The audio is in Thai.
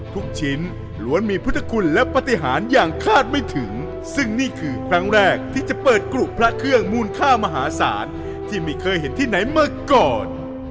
ทุกชิ้นล้วนมีพุทธคุณและปฏิหารอย่างคาดไม่ถึงซึ่งนี่คือครั้งแรกที่จะเปิดกรุพระเครื่องมูลค่ามหาศาลที่ไม่เคยเห็นที่ไหนมาก่อน